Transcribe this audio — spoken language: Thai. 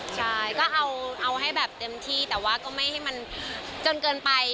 ใช่ก็เอาให้แบบเต็มที่แต่ว่าก็ไม่ให้มันจนเกินไป